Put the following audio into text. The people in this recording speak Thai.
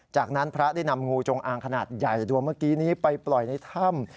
จากนั้นพระได้นำงูจงอางขนาดใหญ่ดวงเมื่อกี้นี้ไปปล่อยในถ้ำ